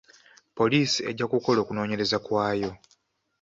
Poliisi ejja kukola okunoonyereza kwayo.